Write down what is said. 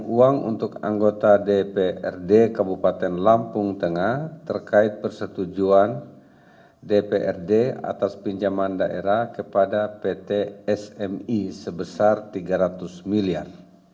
uang untuk anggota dprd kabupaten lampung tengah terkait persetujuan dprd atas pinjaman daerah kepada pt smi sebesar rp tiga ratus miliar